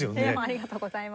ありがとうございます。